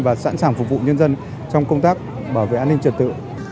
và sẵn sàng phục vụ nhân dân trong công tác bảo vệ an ninh trật tự